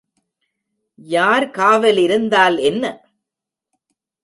யார் காவல் இருந்தால் என்ன?